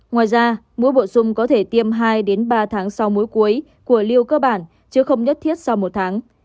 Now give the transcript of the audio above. ngoài ra mỗi bổ sung có thể tiêm hai ba tháng sau mỗi cuối của liều cơ bản chứ không nhất thiết sau một tháng